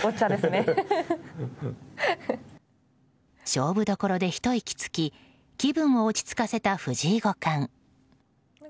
勝負所でひと息つき気分を落ち着かせた藤井五冠。